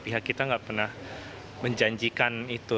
pihak kita nggak pernah menjanjikan itu